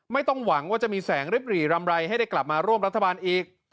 ไม่ต้องหวังว่าจะมีแสงริบหรี่รำไรให้ได้กลับมาร่วมรัฐบาลอีก